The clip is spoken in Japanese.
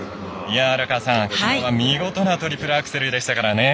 荒川さん、きのうは見事なトリプルアクセルでしたからね。